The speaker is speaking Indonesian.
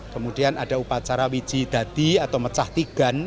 kemudian ada upacara wiji dati atau mecah tigan